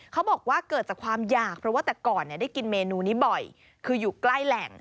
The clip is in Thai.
เขาบอกว่าเกิดจากความอยากเพราะว่าแต่ก่อนได้กินเมนูนี้บ่อยคืออยู่ใกล้แหล่ง